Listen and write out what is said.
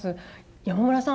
山村さん